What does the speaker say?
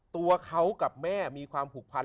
ตัวเขากับแม่มีความผูกพัน